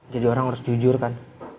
jadi orang harus jujur kan